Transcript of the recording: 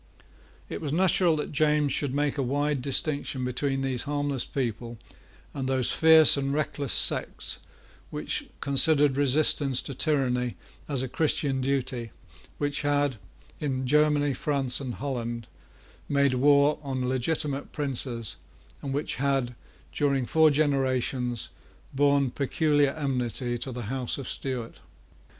It was natural that James should make a wide distinction between these harmless people and those fierce and reckless sects which considered resistance to tyranny as a Christian duty which had, in Germany, France, and Holland, made war on legitimate princes, and which had, during four generations, borne peculiar enmity to the House of Stuart.